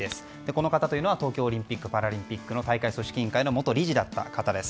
この方は東京オリンピック・パラリンピックの大会組織委員会元理事だった方。